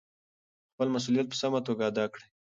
خپل مسؤلیت په سمه توګه ادا کړئ.